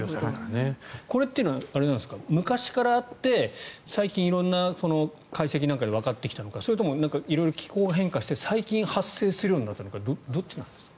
これというのは昔からあって最近色んな解析なんかでわかってきたのかそれとも色々気候が変化して最近発生するようになったのかどっちなんですか？